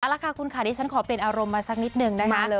เอาละค่ะคุณค่ะดิฉันขอเปลี่ยนอารมณ์มาสักนิดนึงนะคะ